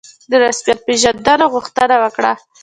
د رسمیت پېژندلو غوښتنه وکړه.